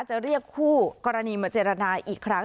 จะเรียกคู่กรณีมาเจรจาอีกครั้ง